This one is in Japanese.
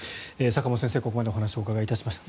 坂元先生にここまでお話を伺いました。